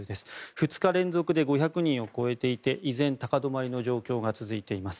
２日連続で５００人を超えていて依然、高止まりの状況が続いています。